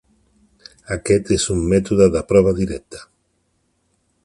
Aquest és un mètode de prova directa.